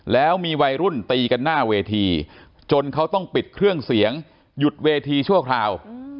แล้วมีวัยรุ่นตีกันหน้าเวทีจนเขาต้องปิดเครื่องเสียงหยุดเวทีชั่วคราว